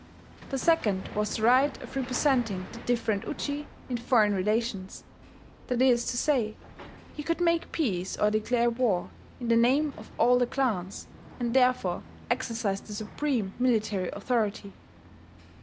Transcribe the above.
The second was the right of representing the different Uji in foreign relations: that is to say, he could make peace or declare war in the name of all the clans, and therefore exercised the supreme military authority.